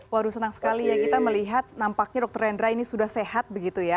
waduh senang sekali ya kita melihat nampaknya dr rendra ini sudah sehat begitu ya